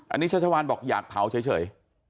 อันนี้ชัชวานบอกอยากเผาเฉย